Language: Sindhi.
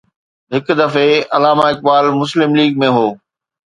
هڪ دفعي علامه اقبال مسلم ليگ ۾ هو.